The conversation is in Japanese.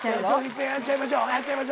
一遍やっちゃいましょう。